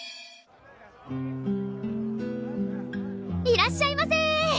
いらっしゃいませ！